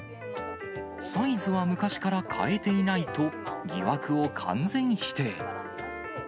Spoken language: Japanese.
サイズは昔から変えていないと、疑惑を完全否定。